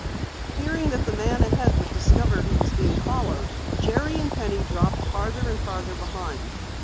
Fearing that the man ahead would discover he was being followed, Jerry and Penny dropped farther and farther behind.